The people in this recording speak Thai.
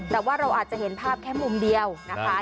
แต่ว่าเราอาจจะเห็นภาพแค่มุมเดียวนะคะ